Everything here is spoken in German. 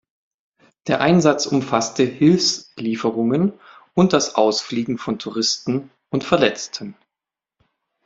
Der Einsatz umfasste Hilfslieferungen und das Ausfliegen von Touristen und Verletzten.